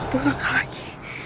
satu langkah lagi